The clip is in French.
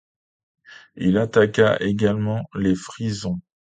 Il attaqua également les Frisons.